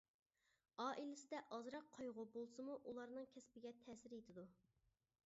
ئائىلىسىدە ئازراق قايغۇ بولسىمۇ ئۇلارنىڭ كەسپىگە تەسىر يېتىدۇ.